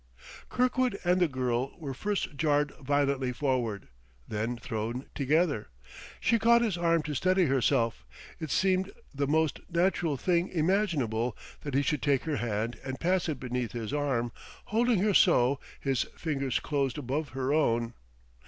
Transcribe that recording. Kirkwood and the girl were first jarred violently forward, then thrown together. She caught his arm to steady herself; it seemed the most natural thing imaginable that he should take her hand and pass it beneath his arm, holding her so, his fingers closed above her own.